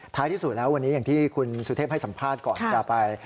ที่สุดแล้ววันนี้อย่างที่คุณสุเทพให้สัมภาษณ์ก่อนจะไป